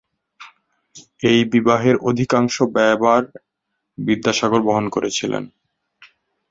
এই বিবাহের অধিকাংশ ব্যয়ভার বিদ্যাসাগর বহন করেছিলেন।